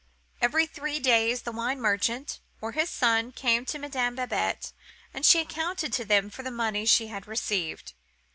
Every three days, the wine merchant or his son came to Madame Babette, and she accounted to them for the money she had received.